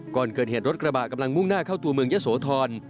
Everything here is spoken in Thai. ก่อนเกิดเหตุรถกระบะกำลังมุ่งหน้าเข้าตัวเมืองยะโสธร